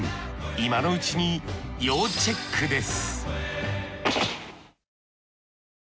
今のうちに要チェックです